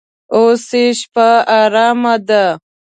اوس یې شپه ارامه ده.